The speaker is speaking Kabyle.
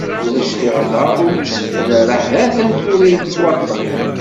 Ulac tiɣmert ur nessefqed ara, hatan tura nettwaṭṭef.